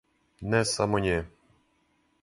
Не само ње.